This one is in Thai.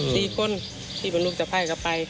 สี่คนที่มันลูกจะไพ่กันไป